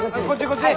こっち？